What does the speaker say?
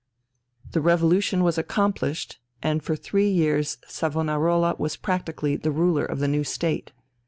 The revolution was accomplished, and for three years Savonarola was practically the ruler of the new state.